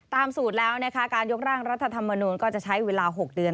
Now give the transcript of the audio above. สูตรแล้วนะคะการยกร่างรัฐธรรมนูลก็จะใช้เวลา๖เดือน